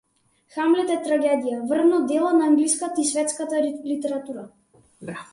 „Хамлет“ е трагедија, врвно дело на англиската и светската литература.